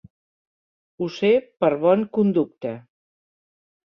Ho sé per bon conducte.